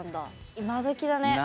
今どきだね。